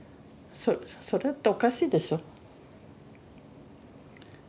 それっておかしいでしょ？